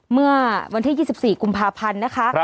เมื่อวันที่๒๔กุมภาพันธ์นะคะ